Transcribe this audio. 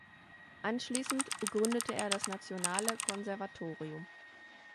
Anschließend gründete er das Nationale Konservatorium.